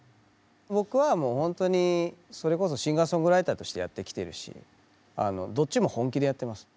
僕は本当にそれこそシンガーソングライターとしてやってきているしどっちも本気でやってます。